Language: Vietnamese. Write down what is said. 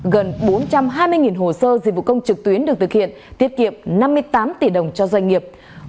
gần bốn trăm hai mươi hồ sơ dịch vụ công trực tuyến được thực hiện tiết kiệm năm mươi tám tỷ đồng cho doanh nghiệp